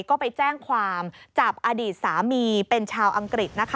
ก็ไปแจ้งความจับอดีตสามีเป็นชาวอังกฤษนะคะ